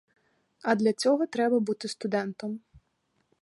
А для цього треба бути студентом.